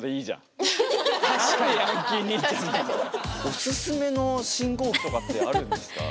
おすすめの信号機とかってあるんですか？